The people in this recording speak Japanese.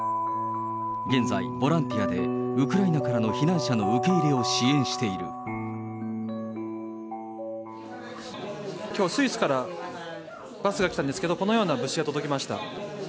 現在、ボランティアでウクライナからの避難者の受け入れを支援しきょう、スイスからバスが来たんですけど、このような物資が届きました。